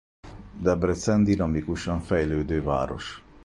Debrecen dinamikusan fejlődő város.